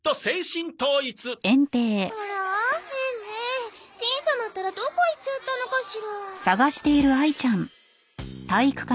しん様ったらどこへ行っちゃったのかしら？